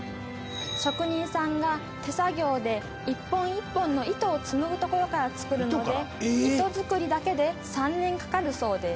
職人さんが手作業で一本一本の糸を紡ぐところから作るので糸作りだけで３年かかるそうです。